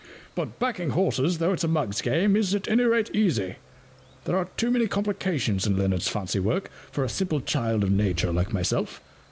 But backing horses, though it*s a mug's game, is, at any rate, easy. There are too many complications in Leonard's fancy work for a simple child of Nature like myself.